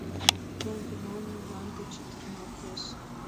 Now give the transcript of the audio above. Йол йымалне мланде чытырналтеш.